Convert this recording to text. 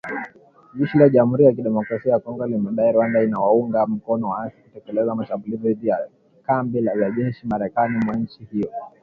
Jeshi la Jamhuri ya Kidemokrasia ya Kongo limedai Rwanda inawaunga mkono waasi kutekeleza mashambulizi dhidi ya kambi za jeshi mashariki mwa nchi hiyo.